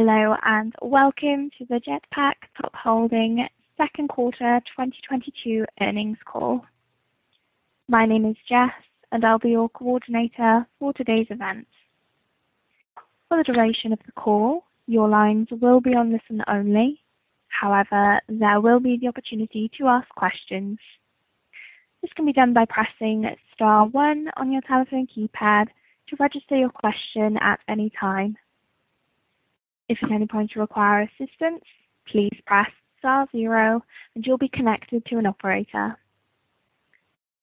Hello, and welcome to the Jetpak Top Holding second quarter 2022 earnings call. My name is Jess, and I'll be your coordinator for today's event. For the duration of the call, your lines will be on listen only. However, there will be the opportunity to ask questions. This can be done by pressing star one on your telephone keypad to register your question at any time. If at any point you require assistance, please press star zero, and you'll be connected to an operator.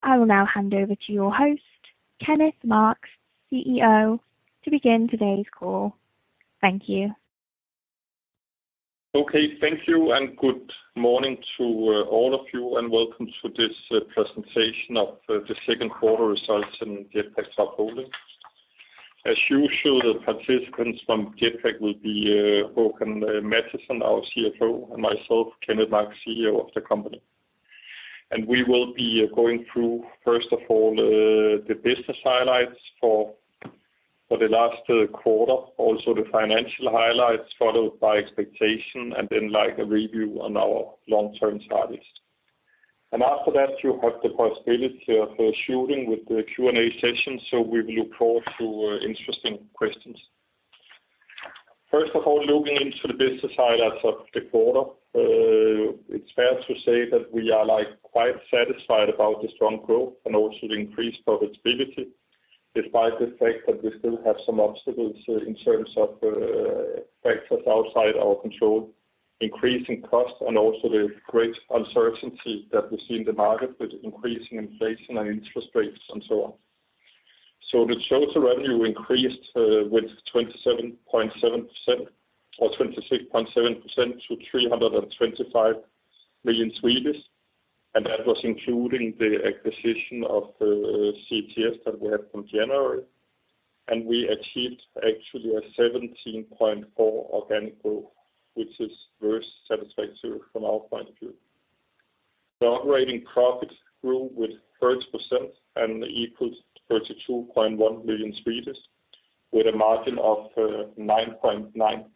I will now hand over to your host, Kenneth Marx, CEO, to begin today's call. Thank you. Okay. Thank you, and good morning to all of you, and welcome to this presentation of the second quarter results in Jetpak Top Holding. As usual, the participants from Jetpak will be Håkan Mattisson, our CFO, and myself, Kenneth Marx, CEO of the company. We will be going through, first of all, the business highlights for the last quarter, also the financial highlights, followed by expectation and then like a review on our long-term targets. After that you have the possibility of shooting with the Q&A session. We look forward to interesting questions. First of all, looking into the business side as of the quarter, it's fair to say that we are, like, quite satisfied about the strong growth and also the increased profitability, despite the fact that we still have some obstacles in terms of factors outside our control, increasing costs and also the great uncertainty that we see in the market with increasing inflation and interest rates, and so on. The total revenue increased with 27.7% or 26.7% to 325 million. That was including the acquisition of CTS that we had from January. We achieved actually a 17.4% organic growth, which is very satisfactory from our point of view. The operating profit grew with 30% and equals 32.1 million, with a margin of 9.9%.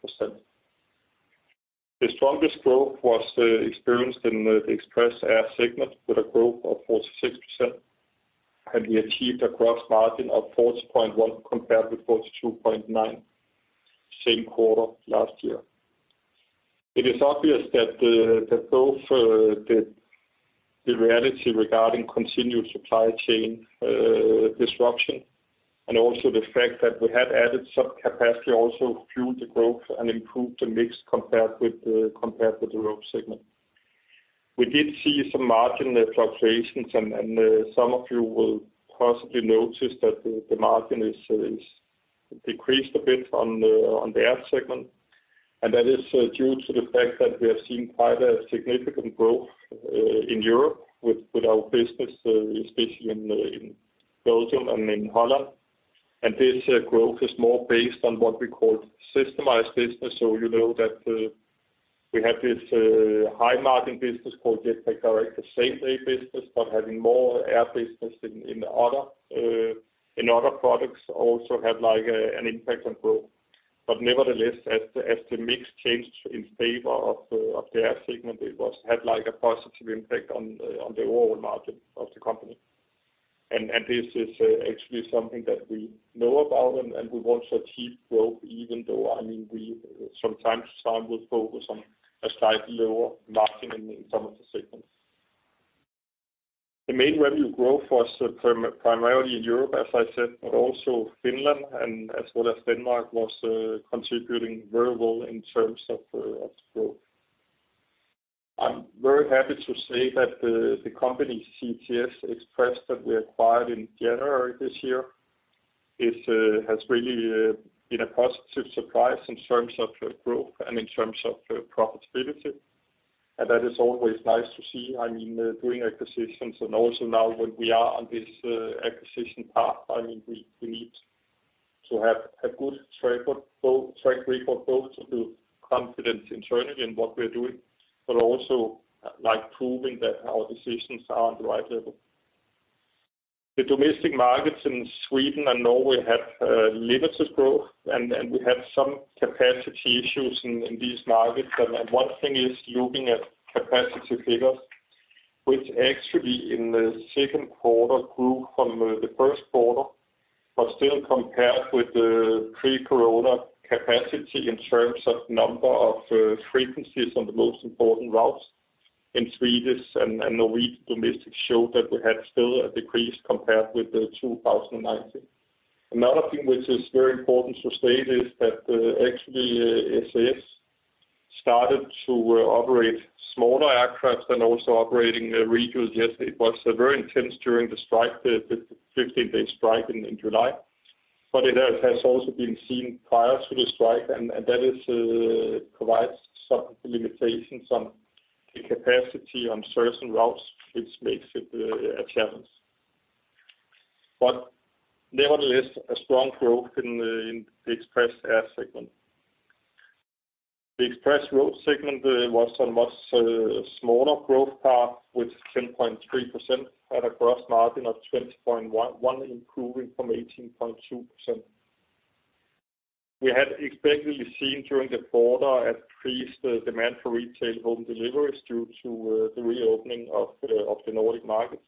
The strongest growth was experienced in the Express Air segment with a growth of 46%, and we achieved a gross margin of 40.1 compared with 42.9 same quarter last year. It is obvious that the reality regarding continued supply chain disruption and also the fact that we have added some capacity also fueled the growth and improved the mix compared with the road segment. We did see some margin fluctuations, and some of you will possibly notice that the margin is decreased a bit on the air segment, and that is due to the fact that we have seen quite a significant growth in Europe with our business, especially in Belgium and in Holland. This growth is more based on what we call systemized business. You know that we have this high margin business called Jetpak Direct, the same-day business, but having more air business in the other products also had like an impact on growth. Nevertheless, as the mix changed in favor of the air segment, had like a positive impact on the overall margin of the company. This is actually something that we know about, and we want to achieve growth even though, I mean, we sometimes would focus on a slightly lower margin in some of the segments. The main revenue growth was primarily in Europe, as I said, but also Finland and as well as Denmark was contributing very well in terms of growth. I'm very happy to say that the company CTS Express that we acquired in January this year has really been a positive surprise in terms of growth and in terms of profitability. That is always nice to see. I mean, doing acquisitions and also now when we are on this acquisition path, I mean, we need to have a good track record both to build confidence internally in what we're doing, but also like proving that our decisions are on the right level. The domestic markets in Sweden and Norway have limited growth and we have some capacity issues in these markets. One thing is looking at capacity figures, which actually in the second quarter grew from the first quarter, but still compared with the pre-corona capacity in terms of number of frequencies on the most important routes in Swedish and Norwegian domestic showed that we had still a decrease compared with 2019. Another thing which is very important to state is that actually SAS started to operate smaller aircraft and also operating regions. Yes, it was very intense during the strike, the 15-day strike in July. But it has also been seen prior to the strike, and that provides some limitations on the capacity on certain routes, which makes it a challenge. Nevertheless, a strong growth in the Express Air segment. The Express Road segment was on much smaller growth path with 10.3% at a gross margin of 20.1%, improving from 18.2%. We had expected to see during the quarter increased demand for retail home deliveries due to the reopening of the Nordic markets.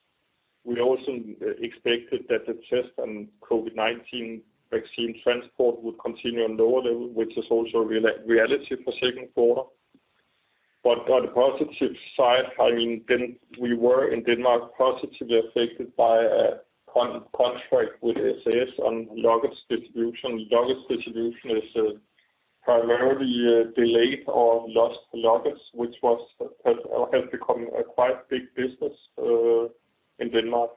We also expected that the test and COVID-19 vaccine transport would continue on low level, which is also a reality for second quarter. On the positive side, I mean, we were in Denmark positively affected by a contract with SAS on luggage distribution. Luggage distribution is primarily delayed or lost luggage, which has become a quite big business in Denmark.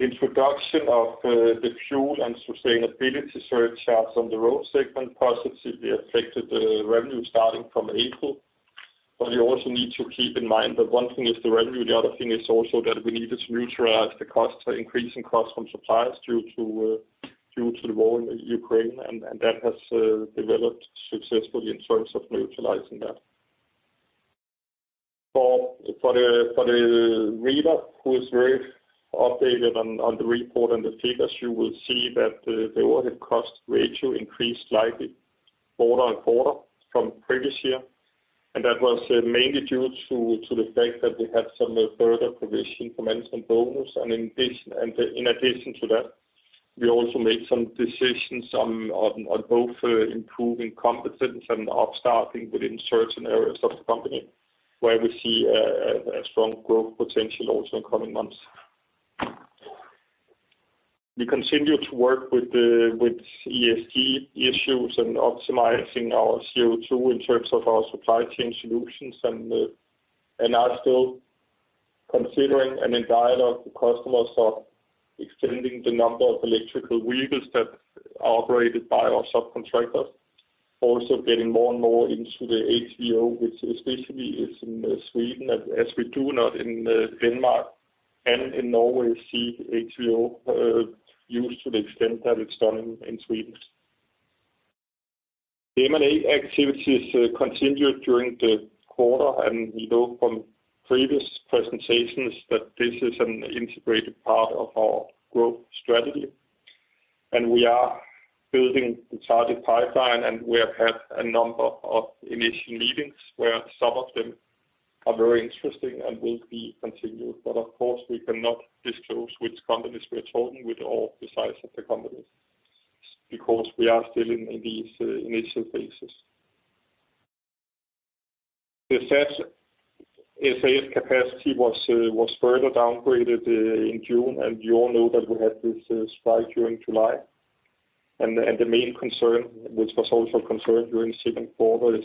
Introduction of the fuel and sustainability surcharges on the road segment positively affected the revenue starting from April. You also need to keep in mind that one thing is the revenue, the other thing is also that we needed to neutralize the costs, the increasing costs from suppliers due to the war in Ukraine. That has developed successfully in terms of neutralizing that. For the reader who is very updated on the report and the figures, you will see that the overhead cost ratio increased slightly quarter-over-quarter from previous year. That was mainly due to the fact that we had some further provision for management bonus. In addition to that, we also made some decisions on both improving competence and up-staffing within certain areas of the company, where we see a strong growth potential also in coming months. We continue to work with ESG issues and optimizing our CO2 in terms of our supply chain solutions and are still considering and in dialogue with customers of extending the number of electrical vehicles that are operated by our subcontractors. Also getting more and more into the HVO, which especially is in Sweden, as we do not in Denmark and in Norway see HVO used to the extent that it's done in Sweden. The M&A activities continued during the quarter, and we know from previous presentations that this is an integrated part of our growth strategy. We are building the target pipeline, and we have had a number of initial meetings, where some of them are very interesting and will be continued. Of course, we cannot disclose which companies we are talking with or the size of the companies because we are still in these initial phases. The SAS capacity was further downgraded in June, and you all know that we had this spike during July. The main concern, which was also a concern during second quarter is,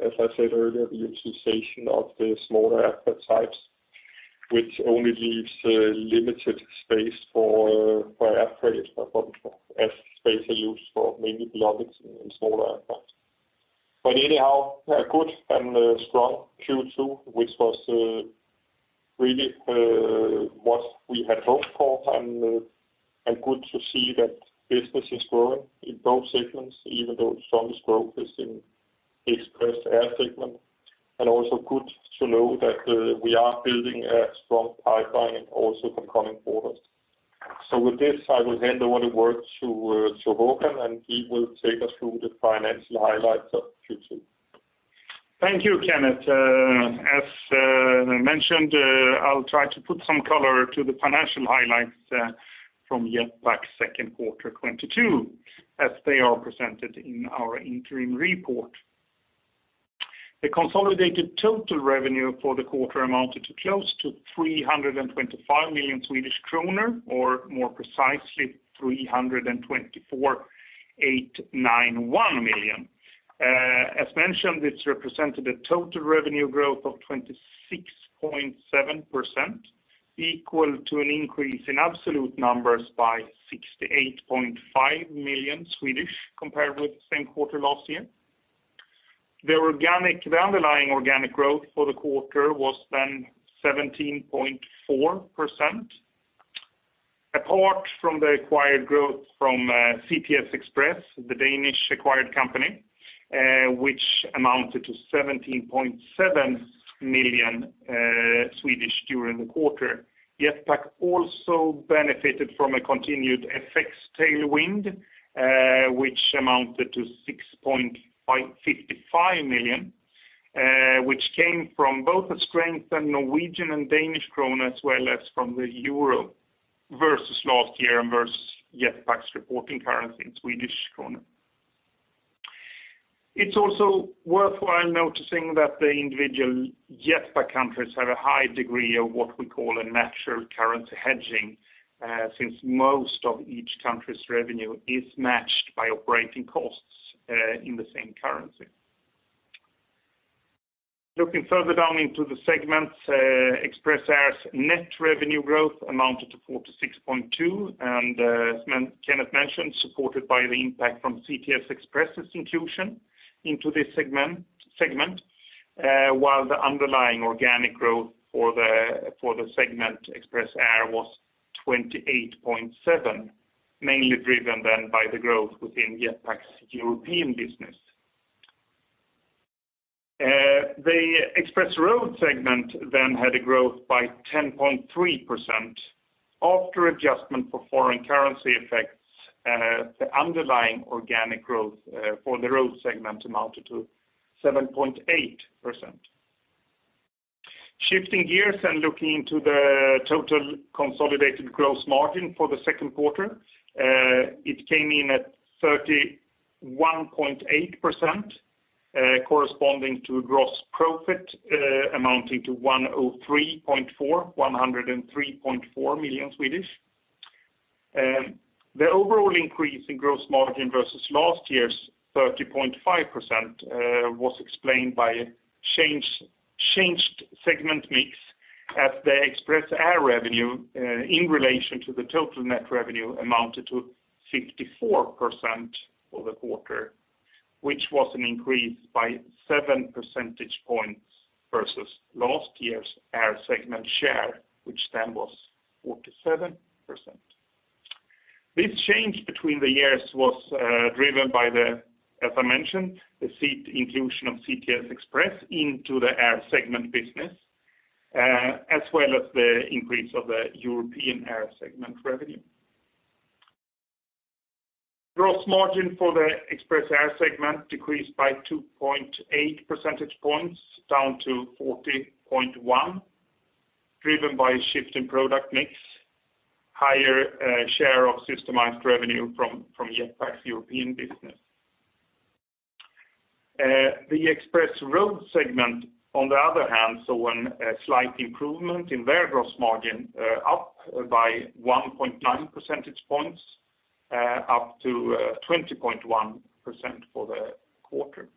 as I said earlier, the utilization of the smaller aircraft types, which only leaves limited space for air freight as space are used for mainly luggage in smaller aircraft. Anyhow, a good and a strong Q2, which was really what we had hoped for, and good to see that business is growing in both segments, even though strongest growth is in Express Air segment. Also good to know that we are building a strong pipeline also for coming quarters. With this, I will hand over the word to Håkan, and he will take us through the financial highlights of Q2. Thank you, Kenneth. As mentioned, I'll try to put some color to the financial highlights from Jetpak's second quarter 2022 as they are presented in our interim report. The consolidated total revenue for the quarter amounted to close to 325 million Swedish kronor, or more precisely 324.891 million. As mentioned, this represented a total revenue growth of 26.7%, equal to an increase in absolute numbers by 68.5 million compared with the same quarter last year. The underlying organic growth for the quarter was 17.4%. Apart from the acquired growth from CTS Express, the Danish acquired company, which amounted to 17.7 million during the quarter. Jetpak also benefited from a continued FX tailwind, which amounted to 55 million, which came from both the strength in Norwegian and Danish kroner as well as from the euro versus last year and versus Jetpak's reporting currency in Swedish krona. It's also worthwhile noticing that the individual Jetpak countries have a high degree of what we call a natural currency hedging, since most of each country's revenue is matched by operating costs in the same currency. Looking further down into the segments, Express Air's net revenue growth amounted to 46.2%, and, as Kenneth Marx mentioned, supported by the impact from CTS Express's inclusion into this segment. While the underlying organic growth for the segment Express Air was 28.7%, mainly driven then by the growth within Jetpak's European business. The Express Road segment then had a growth by 10.3% after adjustment for foreign currency effects, the underlying organic growth for the road segment amounted to 7.8%. Shifting gears and looking into the total consolidated gross margin for the second quarter, it came in at 31.8%, corresponding to gross profit amounting to 103.4 million. The overall increase in gross margin versus last year's 30.5% was explained by changed segment mix as the Express Air revenue in relation to the total net revenue amounted to 54% for the quarter, which was an increase by 7 percentage points versus last year's air segment share, which then was 47%. This change between the years was driven by the, as I mentioned, the acquisition of CTS Express into the air segment business, as well as the increase of the European air segment revenue. Gross margin for the Express Air segment decreased by 2.8 percentage points down to 40.1 percentage points, driven by a shift in product mix, higher share of systemized revenue from Jetpak's European business. The Express Road segment, on the other hand, saw a slight improvement in their gross margin, up by 1.9 percentage points, up to 20.1% for the quarter.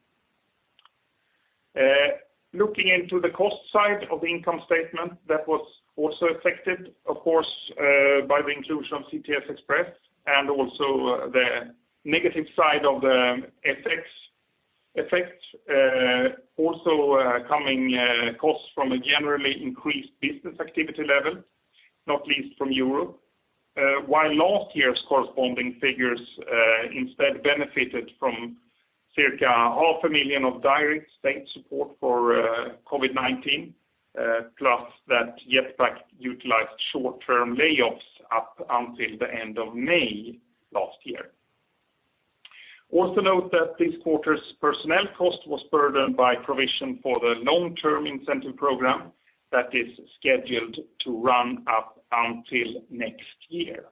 Looking into the cost side of the income statement, that was also affected, of course, by the inclusion of CTS Express and also the negative side of the FX effects, also costs from a generally increased business activity level, not least from Europe. While last year's corresponding figures instead benefited from SEK circa half a million of direct state support for COVID-19, plus that Jetpak utilized short-term layoffs up until the end of May last year. Also note that this quarter's personnel cost was burdened by provision for the long-term incentive program that is scheduled to run up until next year.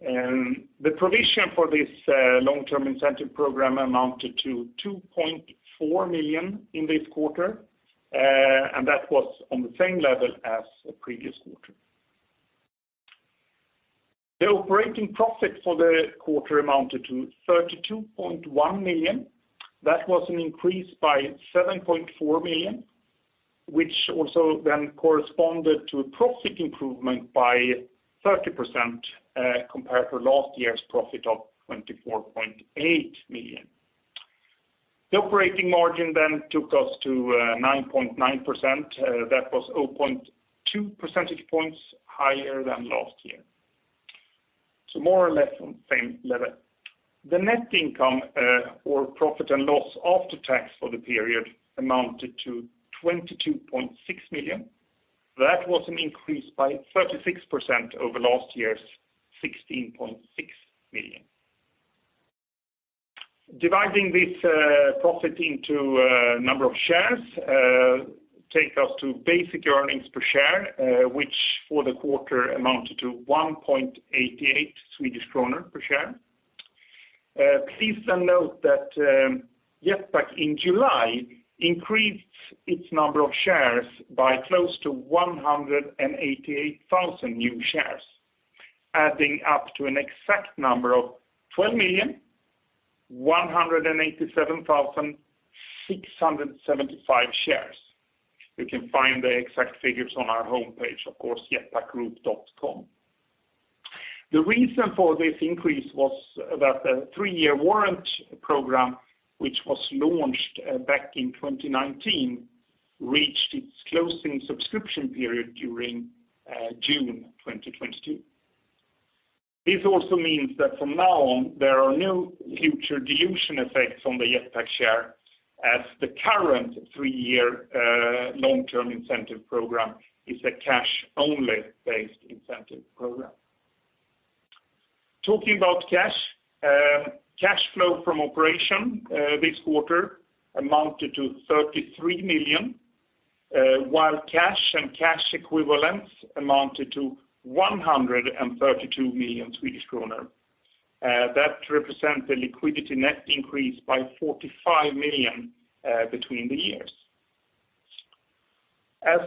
The provision for this long-term incentive program amounted to 2.4 million in this quarter, and that was on the same level as the previous quarter. The operating profit for the quarter amounted to 32.1 million. That was an increase by 7.4 million, which also corresponded to a profit improvement by 30%, compared to last year's profit of 24.8 million. The operating margin took us to 9.9%. That was 0.2 percentage points higher than last year. More or less on the same level. The net income, or profit and loss after tax for the period, amounted to 22.6 million. That was an increase by 36% over last year's 16.6 million. Dividing this profit into number of shares takes us to basic earnings per share, which for the quarter amounted to 1.88 Swedish kronor per share. Please note that Jetpak in July increased its number of shares by close to 188,000 new shares, adding up to an exact number of 12,187,675 shares. You can find the exact figures on our homepage, of course, jetpakgroup.com. The reason for this increase was that the three-year warrant program, which was launched back in 2019, reached its closing subscription period during June 2022. This also means that from now on, there are no future dilution effects on the Jetpak share as the current three-year long-term incentive program is a cash-only based incentive program. Talking about cash flow from operations this quarter amounted to 33 million, while cash and cash equivalents amounted to 132 million Swedish kronor. That represents a liquidity net increase by 45 million between the years. As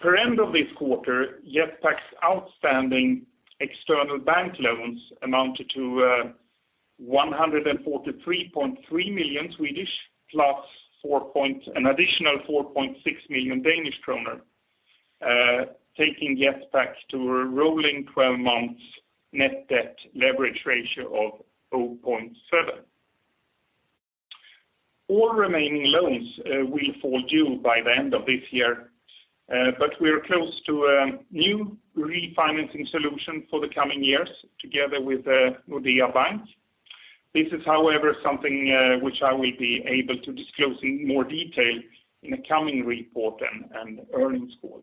per end of this quarter, Jetpak's outstanding external bank loans amounted to 143.3 million plus an additional 4.6 million Danish kroner. Taking us back to a rolling 12 months net debt leverage ratio of 0.7. All remaining loans will fall due by the end of this year. We're close to a new refinancing solution for the coming years together with Nordea Bank. This is however something which I will be able to disclose in more detail in a coming report and earnings call.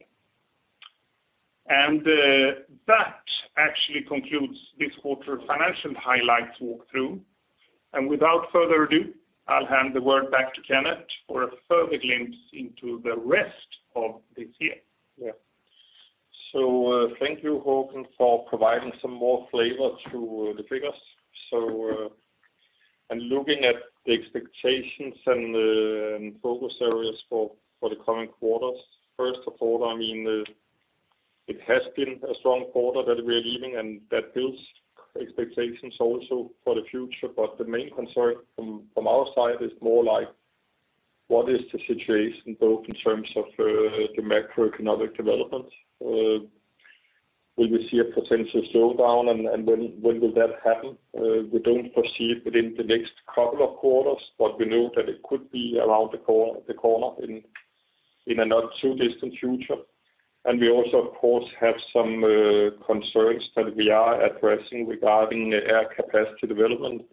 That actually concludes this quarter financial highlights walkthrough. Without further ado, I'll hand the word back to Kenneth for a further glimpse into the rest of this year. Yeah. Thank you Håkan for providing some more flavor to the figures. Looking at the expectations and focus areas for the coming quarters. First of all, I mean, it has been a strong quarter that we are leaving, and that builds expectations also for the future. The main concern from our side is more like what is the situation both in terms of the macroeconomic development? Will we see a potential slowdown and when will that happen? We don't foresee it within the next couple of quarters, but we know that it could be around the corner in a not too distant future. We also, of course, have some concerns that we are addressing regarding air capacity development.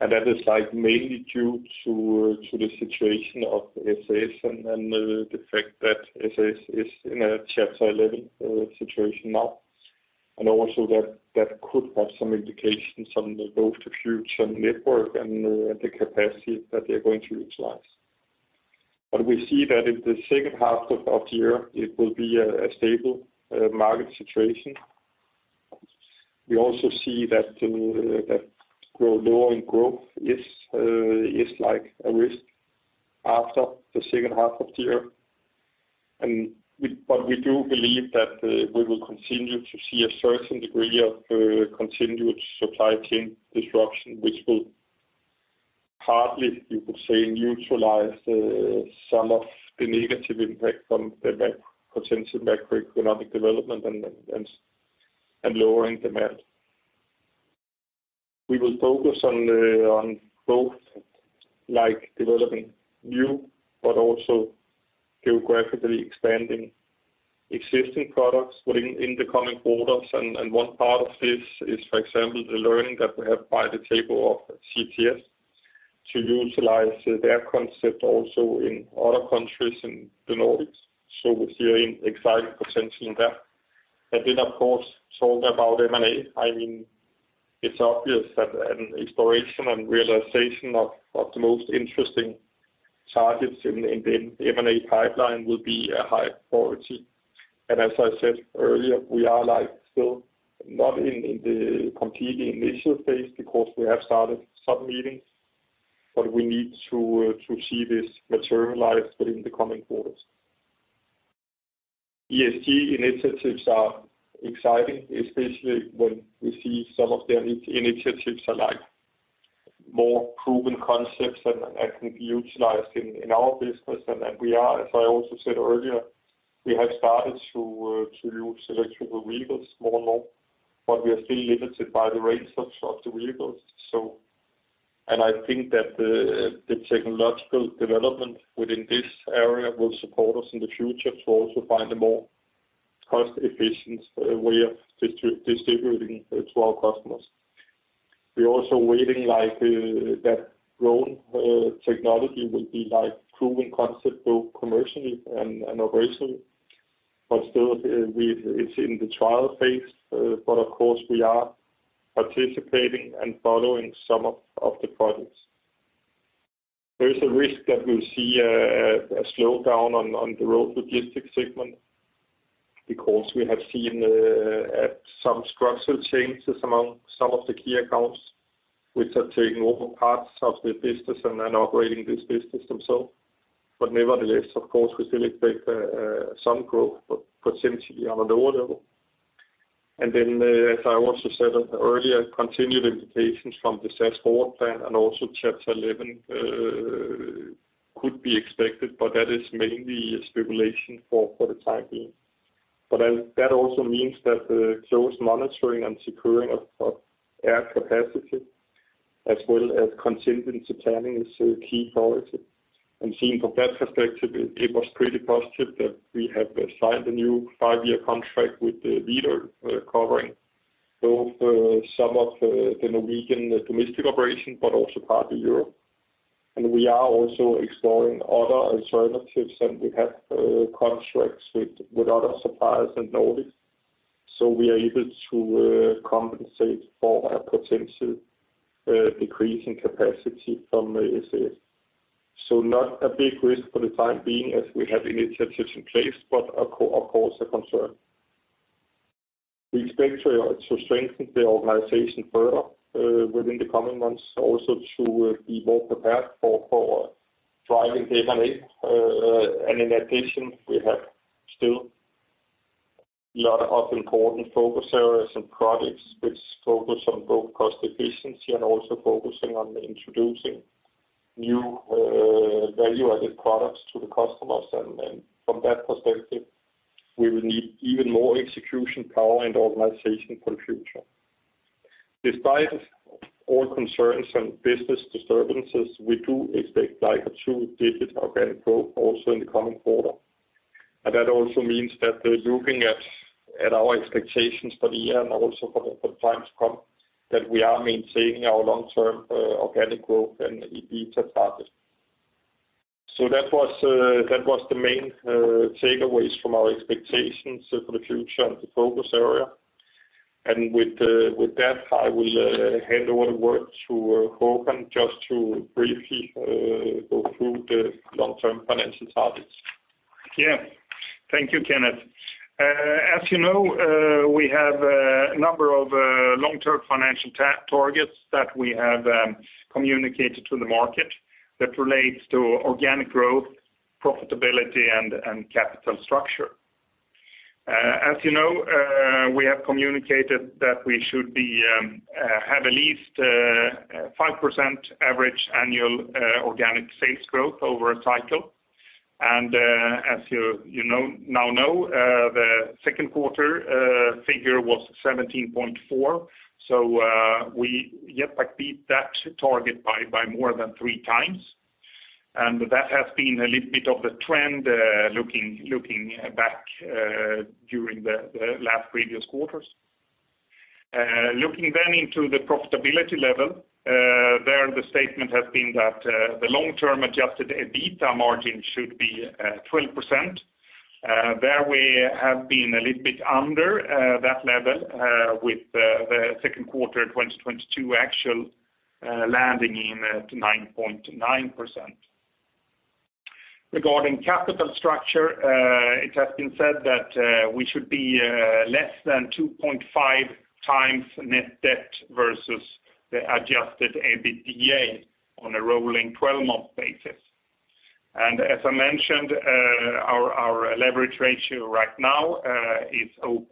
That is like mainly due to the situation of SAS and the fact that SAS is in a Chapter 11 situation now. That could have some implications on both the future network and the capacity that they're going to utilize. We see that in the second half of the year, it will be a stable market situation. We also see that lowering growth is like a risk after the second half of the year. We do believe that we will continue to see a certain degree of continued supply chain disruption, which will hardly, you could say, neutralize some of the negative impact from the macro, potential macroeconomic development and lowering demand. We will focus on both like developing new, but also geographically expanding existing products within the coming quarters. One part of this is, for example, the learning that we have from the takeover of CTS to utilize their concept also in other countries in the Nordics. We're seeing exciting potential in that. Then of course talking about M&A. I mean, it's obvious that an exploration and realization of the most interesting targets in the M&A pipeline will be a high priority. As I said earlier, we are like still not in the completely initial phase because we have started some meetings, but we need to see this materialize within the coming quarters. ESG initiatives are exciting, especially when we see some of their initiatives are like more proven concepts and can be utilized in our business. As I also said earlier, we have started to use electric vehicles more and more, but we are still limited by the range of the vehicles. I think that the technological development within this area will support us in the future to also find a more cost efficient way of distributing to our customers. We're also waiting like that drone technology will be like proven concept both commercially and operationally. Still, it's in the trial phase. Of course we are participating and following some of the projects. There is a risk that we'll see a slowdown on the road logistics segment because we have seen some structural changes among some of the key accounts which have taken over parts of the business and then operating this business themselves. Nevertheless, of course, we still expect some growth, but potentially on a lower level. As I also said earlier, continued implications from the SAS FORWARD plan and also Chapter 11 could be expected, but that is mainly a stipulation for the time being. That also means that the close monitoring and securing of air capacity as well as contingency planning is a key priority. Seen from that perspective, it was pretty positive that we have signed a 5-year contract with Widerøe covering both some of the Norwegian domestic operation, but also partly Europe. We are also exploring other alternatives, and we have contracts with other suppliers in Nordics, so we are able to compensate for a potential decrease in capacity from SAS. Not a big risk for the time being as we have initiatives in place, but of course, a concern. We expect to strengthen the organization further within the coming months, also to be more prepared for driving M&A. In addition, we have still a lot of important focus areas and products which focus on both cost efficiency and also focusing on introducing new value-added products to the customers. From that perspective, we will need even more execution power and organization for the future. Despite all concerns and business disturbances, we do expect like a two-digit organic growth also in the coming quarter. That also means that looking at our expectations for the year and also for the time to come, that we are maintaining our long-term organic growth and EBITDA target. That was the main takeaways from our expectations for the future and the focus area. With that, I will hand over the word to Håkan just to briefly go through the long-term financial targets. Yeah. Thank you, Kenneth. As you know, we have a number of long-term financial targets that we have communicated to the market that relates to organic growth, profitability, and capital structure. As you know, we have communicated that we should have at least 5% average annual organic sales growth over a cycle. As you now know, the second quarter figure was 17.4%. We beat that target by more than three times. That has been a little bit of the trend looking back during the last previous quarters. Looking then into the profitability level, there the statement has been that the long-term adjusted EBITDA margin should be 20%. There we have been a little bit under that level with the second quarter 2022 actual landing in 2.9%. Regarding capital structure, it has been said that we should be less than 2.5x net debt versus the adjusted EBITDA on a rolling 12-month basis. As I mentioned, our leverage ratio right now is 0.7,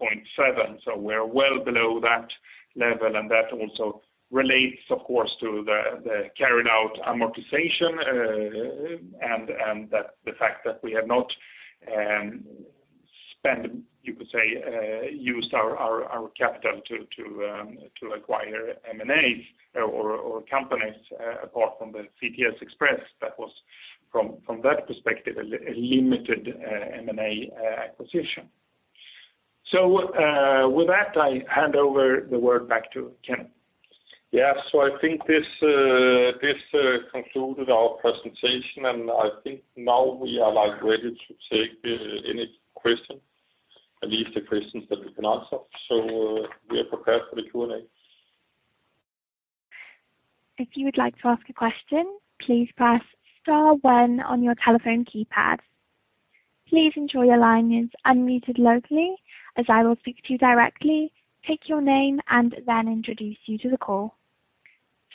so we're well below that level. That also relates, of course, to the carried out amortization, and that the fact that we have not spent, you could say, used our capital to acquire M&As or companies, apart from the CTS Express that was from that perspective a limited M&A acquisition. With that, I hand over the word back to Kenneth. Yeah. I think this concluded our presentation, and I think now we are, like, ready to take any question, at least the questions that we can answer. We are prepared for the Q&A. If you would like to ask a question, please press star one on your telephone keypad. Please ensure your line is unmuted locally as I will speak to you directly, take your name, and then introduce you to the call.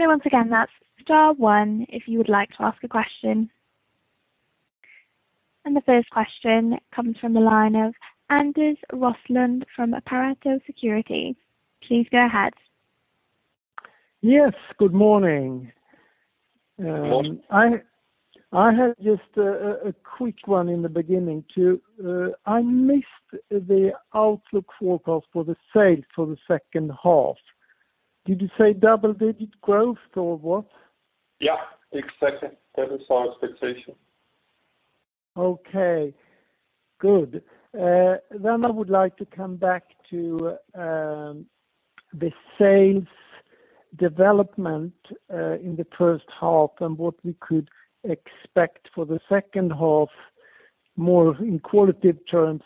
Once again, that's star one if you would like to ask a question. The first question comes from the line of Anders Roslund from Pareto Securities. Please go ahead. Yes. Good morning. Good morning. I have just a quick one in the beginning. I missed the outlook forecast for the sales for the second half. Did you say double-digit growth or what? Yeah. Exactly. That is our expectation. Okay, good. I would like to come back to the sales development in the first half and what we could expect for the second half, more in qualitative terms.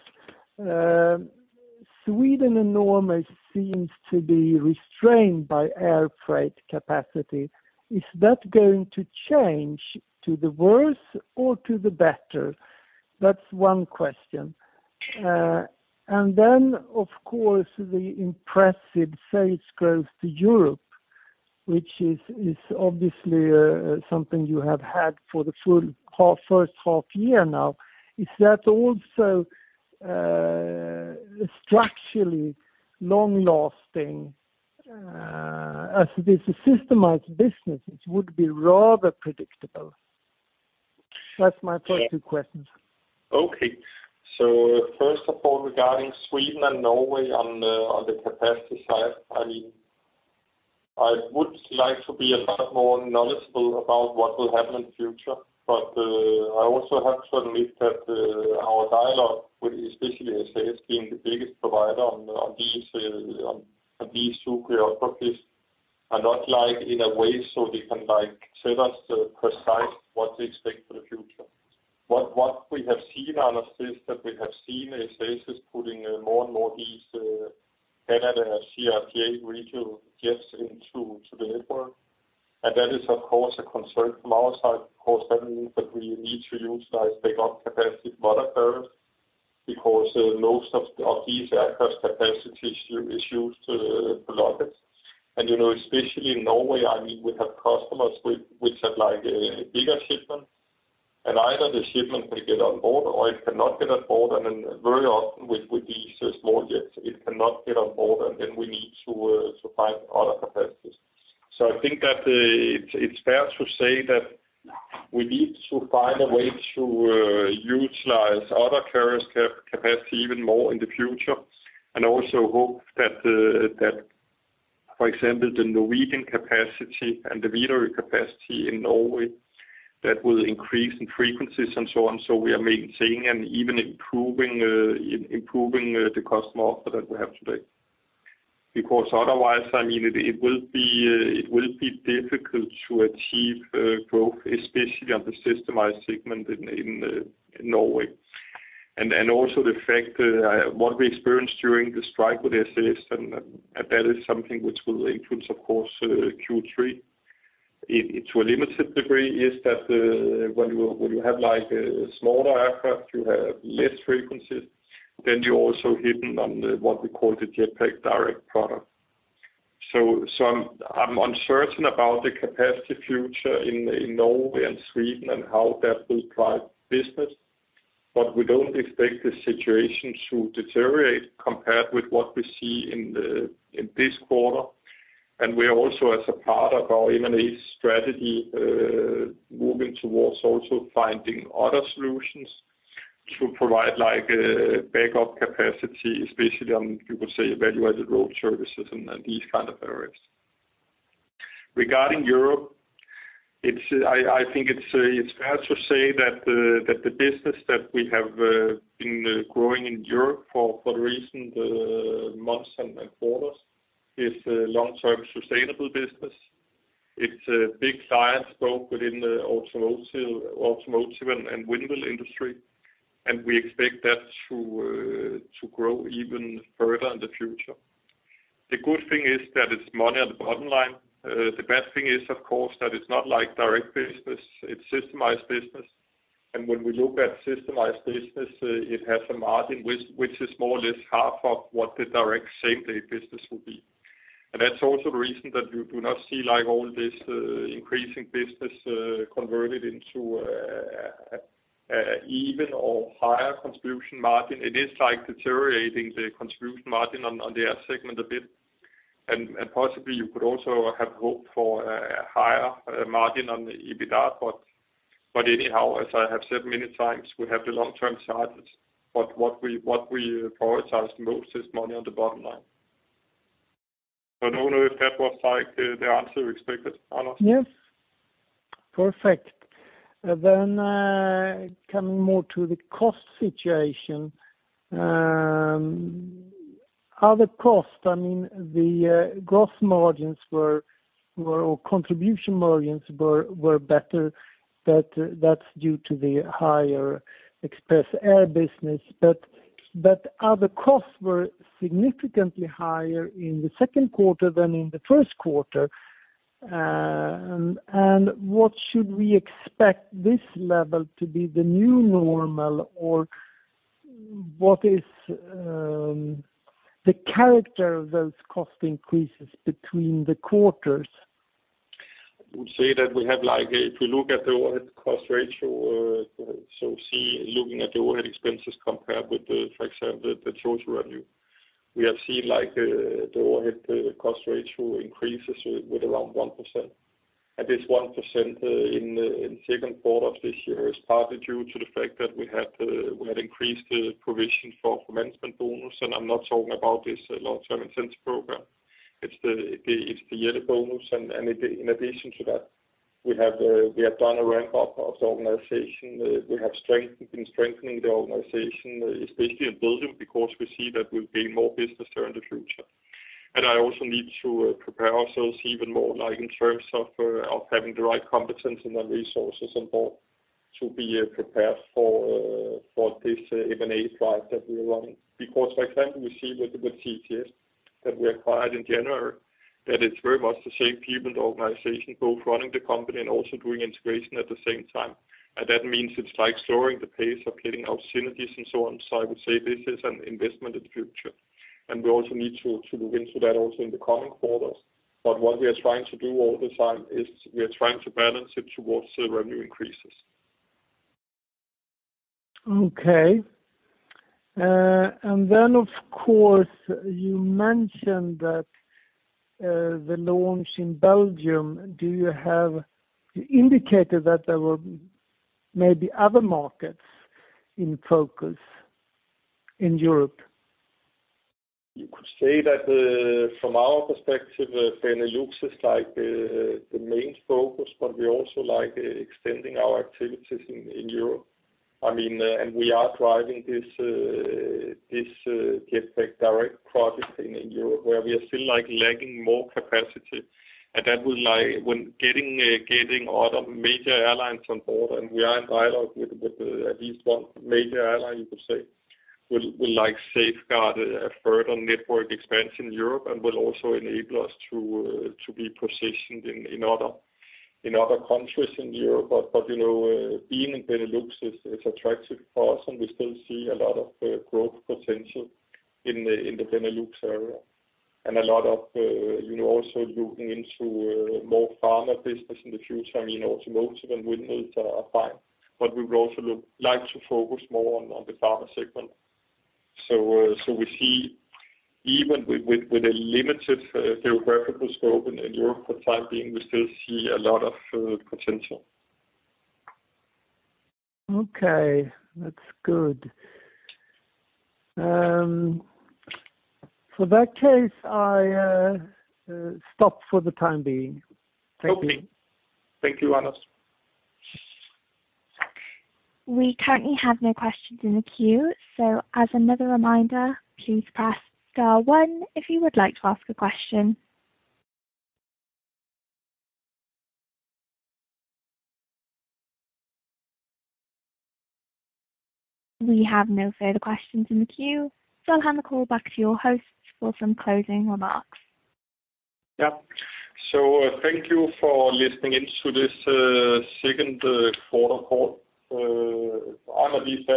Sweden and Norway seems to be restrained by air freight capacity. Is that going to change to the worse or to the better? That's one question. Of course, the impressive sales growth to Europe, which is obviously something you have had for the full half, first half year now. Is that also structurally long-lasting? As it is a systemized business, it would be rather predictable. That's my first two questions. Okay. First of all, regarding Sweden and Norway on the capacity side, I mean, I would like to be a lot more knowledgeable about what will happen in future. I also have to admit that our dialogue with especially SAS being the biggest provider on these two geographies are not like in a way, so they can, like, tell us precisely what to expect for the future. What we have seen, Anders, is that we have seen SAS is putting more and more these Canadair CRJ regional jets into the network. That is, of course, a concern from our side because that means that we need to utilize bigger capacity more carriers because most of these aircraft capacities is used to load it. You know, especially in Norway, I mean, we have customers which have, like, bigger shipments. Either the shipment will get on board or it cannot get on board. Then very often with these small jets, it cannot get on board, and then we need to find other capacities. I think that it's fair to say that we need to find a way to utilize other carriers capacity even more in the future, and also hope that, for example, the Norwegian capacity and the Widerøe capacity in Norway, that will increase in frequencies and so on, so we are maintaining and even improving the customer offer that we have today. Because otherwise, I mean, it will be difficult to achieve growth, especially on the systemized segment in Norway. Also the fact what we experienced during the strike with SAS, and that is something which will influence of course Q3. It to a limited degree is that when you have like a smaller aircraft, you have less frequencies, then you're also hitting on the what we call the Jetpak Direct product. I'm uncertain about the capacity future in Norway and Sweden and how that will drive business. We don't expect the situation to deteriorate compared with what we see in this quarter. We also, as a part of our M&A strategy, moving towards also finding other solutions to provide like a backup capacity, especially on, you could say, air and road services and these kind of areas. Regarding Europe, I think it's fair to say that the business that we have been growing in Europe for the recent months and quarters is a long-term sustainable business. It's a big niche scope within the automotive and windmill industry, and we expect that to grow even further in the future. The good thing is that it's money on the bottom line. The best thing is, of course, that it's not like direct business, it's systemized business. When we look at systemized business, it has a margin which is more or less half of what the direct same-day business would be. That's also the reason that you do not see like all this increasing business converted into even or higher contribution margin. It is like deteriorating the contribution margin on the air segment a bit. Possibly you could also have hoped for a higher margin on the EBITDA, but anyhow, as I have said many times, we have the long-term charges. What we prioritize most is money on the bottom line. I don't know if that was like the answer you expected, Anders. Yes. Perfect. Coming more to the cost situation, I mean, the gross margins were or contribution margins were better, that's due to the higher Express Air business. Other costs were significantly higher in the second quarter than in the first quarter. What should we expect this level to be the new normal or what is the character of those cost increases between the quarters? I would say that we have like, if you look at the overhead cost ratio, so see, looking at the overhead expenses compared with the, for example, the total revenue, we have seen like, the overhead cost ratio increases with around 1%. This 1% in second quarter of this year is partly due to the fact that we had increased the provision for management bonus, and I'm not talking about this long-term incentive program. It's the yearly bonus, and in addition to that, we have done a ramp up of the organization. We have been strengthening the organization, especially in Belgium, because we see that we'll gain more business there in the future. I also need to prepare ourselves even more like in terms of having the right competence and the resources on board to be prepared for this M&A drive that we are running. Because for example, we see with CTS that we acquired in January, that it's very much the same people in the organization both running the company and also doing integration at the same time. That means it's like slowing the pace of getting out synergies and so on. I would say this is an investment in the future. We also need to look into that also in the coming quarters. What we are trying to do all the time is we are trying to balance it towards the revenue increases. Okay. Of course, you mentioned that the launch in Belgium. You indicated that there were maybe other markets in focus in Europe. You could say that, from our perspective, Benelux is like, the main focus, but we also like extending our activities in Europe. I mean, we are driving this Jetpak Direct project in Europe where we are still like lacking more capacity. That would like when getting other major airlines on board, and we are in dialogue with at least one major airline you could say, will like safeguard a further network expansion in Europe and will also enable us to be positioned in other countries in Europe. You know, being in Benelux is attractive for us, and we still see a lot of growth potential in the Benelux area. A lot of you know, also looking into more pharma business in the future, you know, automotive and windmills are fine, but we would also like to focus more on the pharma segment. We see even with a limited geographical scope in Europe for the time being, we still see a lot of potential. Okay, that's good. For that case, I stop for the time being. Thank you. Okay. Thank you, Anders. We currently have no questions in the queue. As another reminder, please press star one if you would like to ask a question. We have no further questions in the queue, so I'll hand the call back to your host for some closing remarks. Yeah. Thank you for listening in to this second quarter call. I'm at least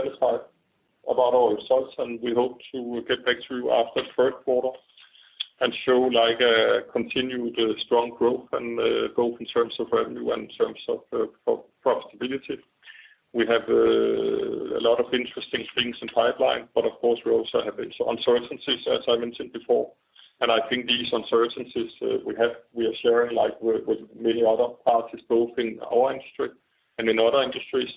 satisfied about our results, and we hope to get back to you after third quarter and show like continued strong growth and growth in terms of revenue and in terms of profitability. We have a lot of interesting things in pipeline, but of course, we also have uncertainties, as I mentioned before. I think these uncertainties we are sharing like with many other parties, both in our industry and in other industries.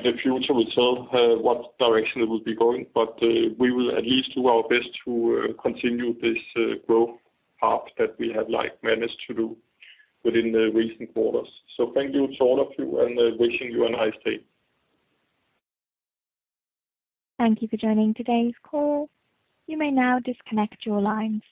The future will tell what direction it will be going, but we will at least do our best to continue this growth path that we have like managed to do within the recent quarters. Thank you to all of you, and wishing you a nice day. Thank you for joining today's call. You may now disconnect your lines.